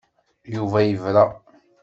Yuba yebra.